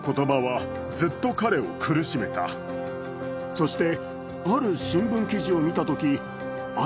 そして。